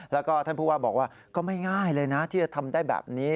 แล้วก็ท่านผู้ว่าบอกว่าก็ไม่ง่ายเลยนะที่จะทำได้แบบนี้